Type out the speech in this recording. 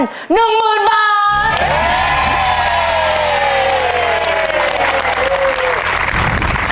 ครอบครับ